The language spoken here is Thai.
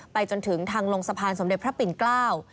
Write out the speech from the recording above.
จนถึงทางลงสะพานสมเด็จพระปิ่นเกล้า